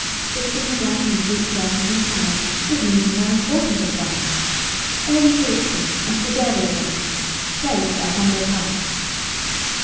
Sifting the bran and wheat germ from the flour was an even more important advance. Early bleaching and preserving chemicals played their humble parts.